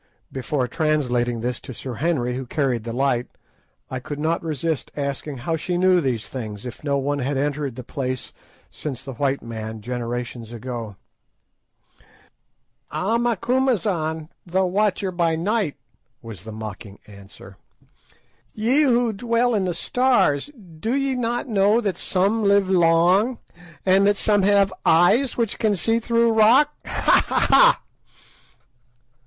Before translating this to Sir Henry, who carried the light, I could not resist asking how she knew these things, if no one had entered the place since the white man, generations ago. "Ah, Macumazahn, the watcher by night," was the mocking answer, "ye who dwell in the stars, do ye not know that some live long, and that some have eyes which can see through rock? _Ha! ha! ha!